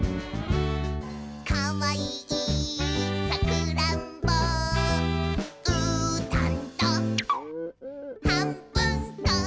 「かわいいさくらんぼ」「うーたんとはんぶんこ！」